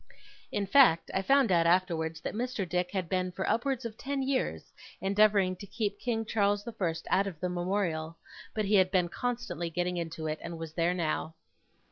In fact, I found out afterwards that Mr. Dick had been for upwards of ten years endeavouring to keep King Charles the First out of the Memorial; but he had been constantly getting into it, and was there now.